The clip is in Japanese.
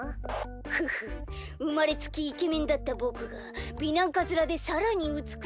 ふふうまれつきイケメンだったぼくが美男カズラでさらにうつくしくなるなんて。